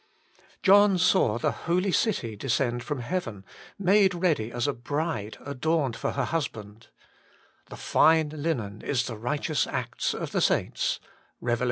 John saw the holy city descend from heaven, ' made ready as a bride adorned for her husband/ ' The fine Hnen is the righteous acts of the saints' (Rev. xxi.